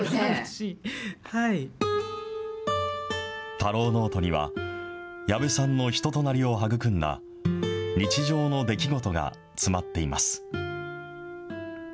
たろうノートには、矢部さんの人となりを育んだ日常の出来事が詰まっています。